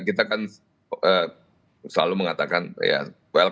kita kan selalu mengatakan ya welcome aja silakan kalau mau bergabung